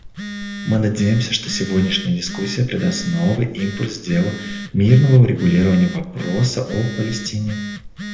Мы надеемся, что сегодняшняя дискуссия придаст новый импульс делу мирного урегулирования вопроса о Палестине.